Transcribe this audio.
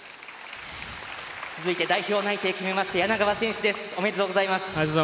続いて代表内定を決めた柳川選手です。おめでとうございます。